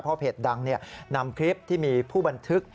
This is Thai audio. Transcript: เพราะเพจดังนำคลิปที่มีผู้บันทึก